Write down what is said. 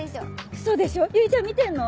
ウソでしょ唯ちゃん見てんの？